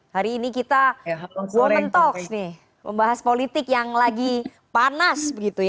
hari ini kita woman talks nih membahas politik yang lagi panas